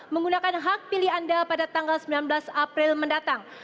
menggunakan hak pilih anda pada tanggal sembilan belas april mendatang